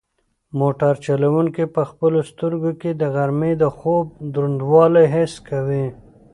موټر چلونکی په خپلو سترګو کې د غرمې د خوب دروندوالی حس کوي.